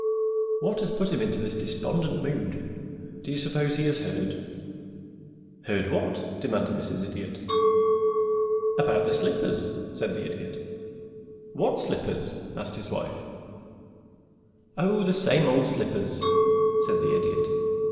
What has put him in this despondent mood? Do you suppose he has heard?" "Heard what?" demanded Mrs. Idiot. "About the slippers," said the Idiot. "What slippers?" asked his wife. "Oh, the same old slippers," said the Idiot.